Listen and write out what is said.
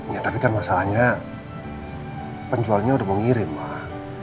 ya tapi kan masalahnya penjualnya udah mau ngirim mah